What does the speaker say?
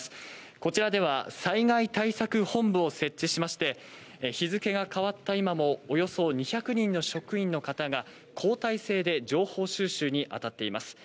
こちらでは災害対策本部を設置しまして日付が変わった今もおよそ２００人の職員の方が交代制で情報収集に当たっています。